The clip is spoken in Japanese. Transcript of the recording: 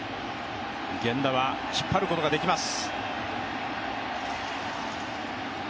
源田は引っ張ることができます。